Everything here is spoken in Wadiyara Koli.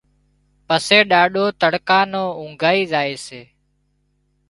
پسي ڏاڏو تڙڪا نو اونگھائي زائي سي